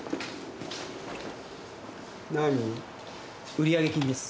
売り上げ金です。